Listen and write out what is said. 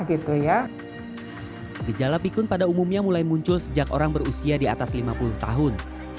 gejala pikun pada umumnya mulai muncul sejak orang berusia di atas lima puluh tahun